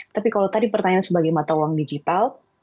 tapi kalau tadi pertanyaan sebagai mata uang digital